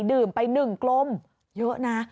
ดื่มไปหนึ่งกลมเยอะนะ